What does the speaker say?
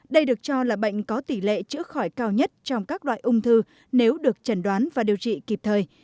đây được cho là bệnh có tỷ lệ chữa khỏi cao nhất trong các loại ung thư nếu được trần đoán và điều trị kịp thời